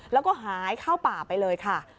แล้วก็หายเข้าป่าไปเลยค่ะ